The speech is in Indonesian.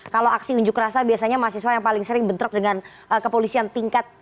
kalau aksi unjuk rasa biasanya mahasiswa yang paling sering bentrok dengan kepolisian tingkat